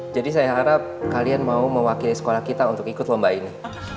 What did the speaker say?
jadi saya harap kalian mau mewakili sekolah kita untuk ikut lomba ini